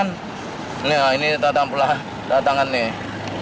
nah ini datang pulang datang kan nih